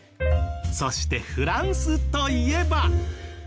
そしてフランスといえば。